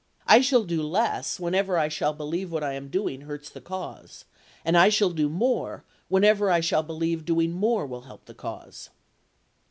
I shall do less whenever I shall believe what I am doing hurts the cause ; and I shall do more when ever I shall believe doing more will help the cause.'